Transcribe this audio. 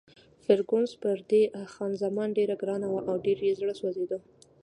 فرګوسن پر دې خان زمان ډېره ګرانه وه او ډېر یې زړه سوځېده.